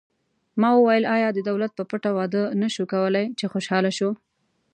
ما وویل: آیا د دولت په پټه واده نه شو کولای، چې خوشحاله شو؟